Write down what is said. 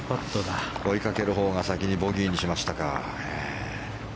追いかけるほうが先にボギーにしましたか。